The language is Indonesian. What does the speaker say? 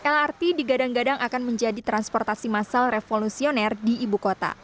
lrt digadang gadang akan menjadi transportasi massal revolusioner di ibu kota